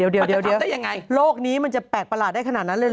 เดี๋ยวโลกนี้มันจะแปลกประหลาดได้ขนาดนั้นเลยเห